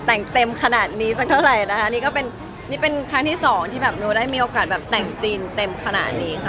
แต่เป็นนี้ก็เป็นครั้งที่๒ที่นิวได้มีโอกาสแต่งจีนเต็มขนาดนี้